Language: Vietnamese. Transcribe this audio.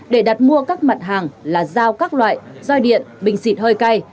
để đặt mua các mặt hàng là dao các loại roi điện bình xịt hơi cay